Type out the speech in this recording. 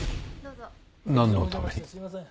なんのために？